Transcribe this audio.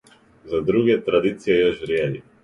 За друге, традиција још вриједи.